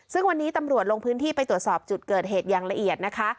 ซึ่งวันนี้ตำรวจลงพื้นที่ไปตรวจสอบจุดเกิดเหตุอย่างละเอียดนะคะ